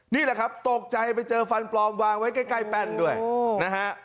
นี่แหละครับตกใจไปเจอฟันปลอมวางไว้ใกล้แป้นด้วยนะฮะ